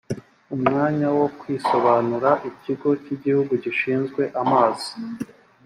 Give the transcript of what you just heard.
umwanya wo kwisobanura ikigo cy igihugu gishinzwe amazi